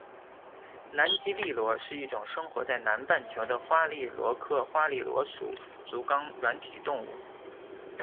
南极笠螺是一种生活于南半球的花笠螺科花笠螺属腹足纲软体动物。